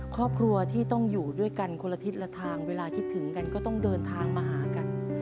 ครอบครัวที่ต้องอยู่ด้วยกันคนละทิศละทางเวลาคิดถึงกันก็ต้องเดินทางมาหากัน